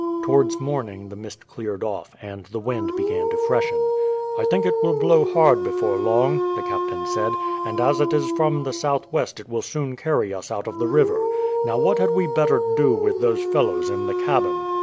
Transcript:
Towards morning the mist cleared off, and the wind began to freshen. "I think it will blow hard before long," the captain said; "and as it is from the southwest it will soon carry us out of the river. Now, what had we better do with those fellows in the cabin?"